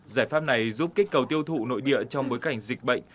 giải pháp này giúp kích cầu tiêu thụ nội địa trong bối cảnh dịch bệnh